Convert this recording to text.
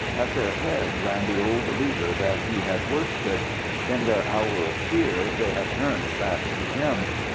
At their head ran the old leader that he had worsted. In their hour of fear they had turned back to him.